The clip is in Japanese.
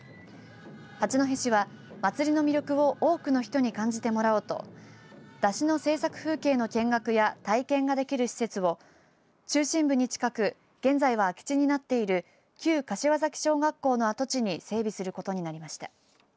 八戸市は祭りの魅力を多くの人に感じてもらおうと山車の制作風景の見学や体験ができる施設を中心部に近く現在は空き地になっている旧柏崎小学校の跡地に整備することになりました。